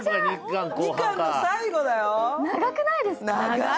長くないですか。